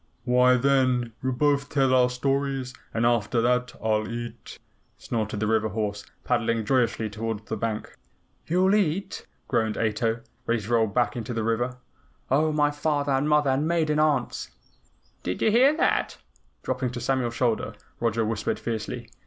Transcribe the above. "Why, then, we'll both tell our stories, and after that I'll eat," snorted the river horse, paddling joyously toward the bank. "You'll EAT!" groaned Ato, ready to roll back into the river. "Oh, my father and mother and maiden aunts!" "Did you hear that?" Dropping to Samuel's shoulder, Roger whispered fiercely.